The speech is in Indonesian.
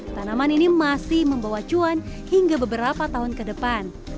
tanaman ini masih membawa cuan hingga beberapa tahun ke depan